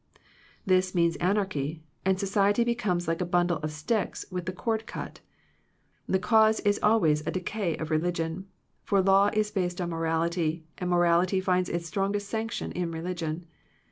This means anarchy, and society becomes like a bundle of sticks with the cord cut The cause is always a decay of religion; for law is based on morality, and morality finds its strongest sanction in religion.